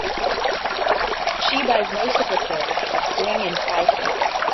She buys most of her clothes at Bring and Buy sales